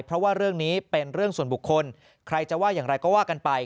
เพราะว่าเรื่องนี้เป็นเรื่องส่วนบุคคลใครจะว่าอย่างไรก็ว่ากันไป